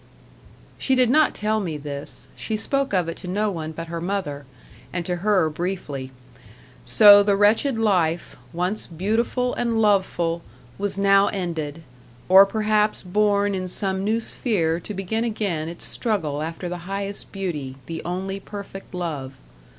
She did not tell me this; she spoke of it to no one but her mother, and to her briefly. So the wretched life, once beautiful and loveful, was now ended, or perhaps born in some new sphere to begin again its struggle after the highest beauty, the only perfect love.